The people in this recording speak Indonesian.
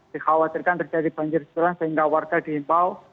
dikhawatirkan terjadi banjir susulan sehingga warga diimbau